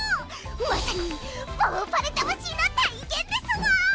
まさにヴォーパル魂の体現ですわ！